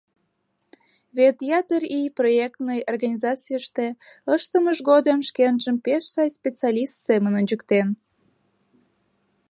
Вет ятыр ий проектный организацийыште ыштымыж годым шкенжым пеш сай специалист семын ончыктен.